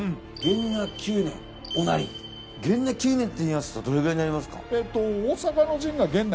元和九年っていいますとどれぐらいになりますか？